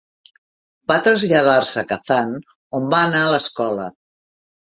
Va traslladar-se a Kazan, on va anar a l'escola.